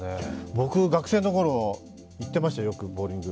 僕、学生のころよく行ってました、ボウリング。